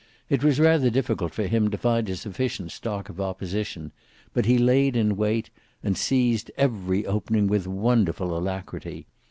It was rather difficult for him to find a sufficient stock of opposition, but he laid in wait and seized every opening with wonderful alacrity.